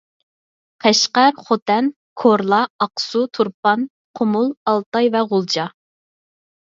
قەشقەر، خوتەن، كورلا، ئاقسۇ، تۇرپان، قۇمۇل، ئالتاي ۋە غۇلجا